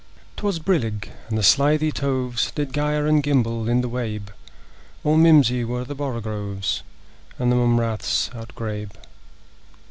'Twas brillig, and the slithy toves Did gyre and gimble in the wabe; All mimsy were the borogoves, And the mome raths outgrabe.